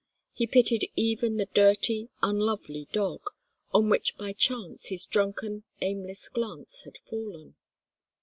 He pitied even the dirty, unlovely dog, on which by chance his drunken, aimless glance had fallen.